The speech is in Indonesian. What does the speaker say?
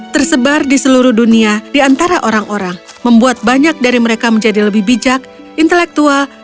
tersebar di seluruh dunia diantara orang orang membuat banyak dari mereka menjadi lebih bijak intelektual